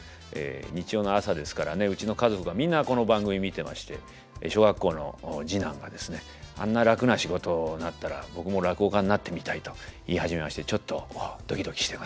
日曜の朝ですからねうちの家族がみんなこの番組見てまして小学校の次男が「あんな楽な仕事だったら僕も落語家になってみたい」と言い始めましてちょっとドキドキしてます。